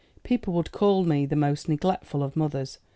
People would call me the most neglectful of mothers.